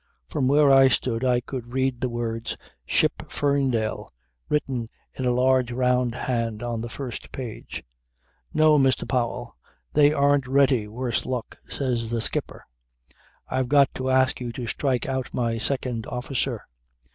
From where I stood I could read the words: "Ship Ferndale" written in a large round hand on the first page. "No, Mr. Powell, they aren't ready, worse luck," says that skipper. "I've got to ask you to strike out my second officer."